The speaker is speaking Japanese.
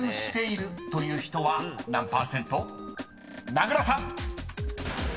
［名倉さん］